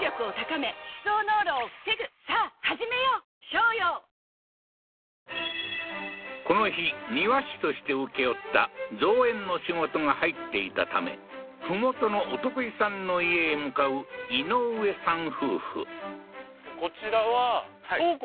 花王この日庭師として請け負った造園の仕事が入っていたため麓のお得意さんの家へ向かう井上さん